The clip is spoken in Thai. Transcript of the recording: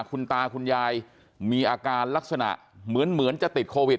คุณตาคุณยายมีอาการลักษณะเหมือนจะติดโควิด